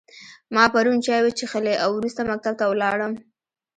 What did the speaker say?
ما پرون چای وچیښلی او وروسته مکتب ته ولاړم